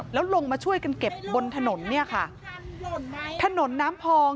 แล้วลงมาช่วยกันเก็บบนถนนเนี่ยค่ะถนนน้ำพอง